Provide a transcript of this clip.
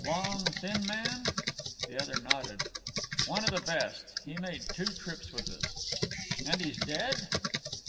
"Long, thin man?" The other nodded. "One of the best. He made two trips with us." "And he's dead?"